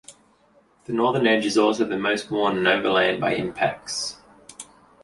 The northern edge is also the most worn and overlain by impacts.